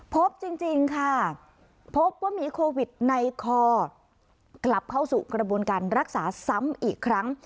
พบจริงค่ะพบว่ามีโควิดในคอกลับเข้าสู่กระบวนการรักษาซ้ำอีกครั้ง